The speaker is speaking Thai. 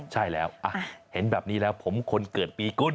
ใช่แล้วเห็นแบบนี้แล้วผมคนเกิดปีกุ้น